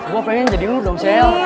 gue pengen jadi lu dong sel